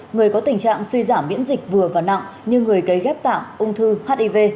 người có tình trạng suy giảm miễn dịch vừa và nặng như người cấy ghép tạng ung thư hiv